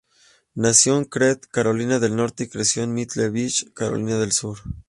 Nació en Creek, Carolina del Norte y creció en Myrtle Beach, Carolina del Sur.